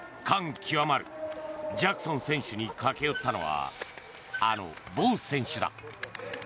感極まるジャクソン選手に駆け寄ったのはあのボウ選手だ。